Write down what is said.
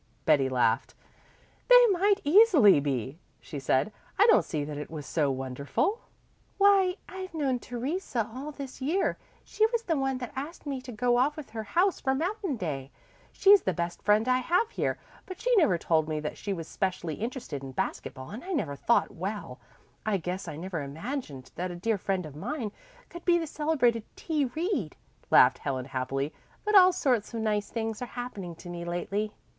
Betty laughed. "They might easily be," she said. "I don't see that it was so wonderful." "Why, I've known Theresa all this year she was the one that asked me to go off with her house for Mountain Day. She's the best friend I have here, but she never told me that she was specially interested in basket ball and I never thought well, I guess I never imagined that a dear friend of mine could be the celebrated T. Reed," laughed Helen happily. "But all sorts of nice things are happening to me lately."